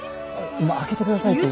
今開けてくださいって。